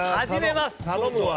頼むわ。